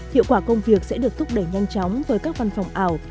hiệu quả công việc sẽ được thúc đẩy nhanh chóng với các văn phòng ảo